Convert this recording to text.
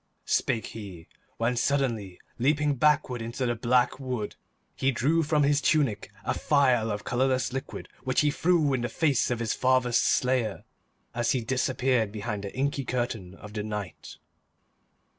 spake he, when, suddenly leaping backwards into the black wood, he drew from his tunic a phial of colourless liquid which he threw in the face of his father's slayer as he disappeared behind the inky curtain of the night.